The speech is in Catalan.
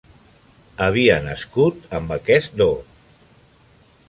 Havia nascut amb aquest do.